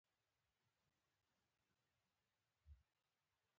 مچان د انسان وينه خوري